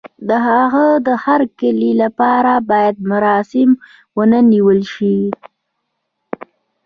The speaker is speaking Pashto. د هغه د هرکلي لپاره بايد مراسم ونه نيول شي.